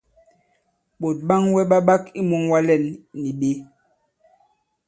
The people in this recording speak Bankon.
Ɓòt ɓaŋwɛ ɓa ɓak i mūŋwa lɛ᷇n nì ɓě?